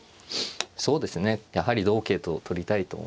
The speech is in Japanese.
そうですねやはり同桂と取りたいと思います。